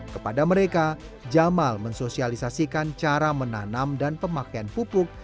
kepada mereka jamal mensosialisasikan cara menanam dan pemakaian pupuk